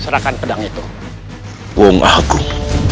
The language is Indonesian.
serakan pedang itu uang agung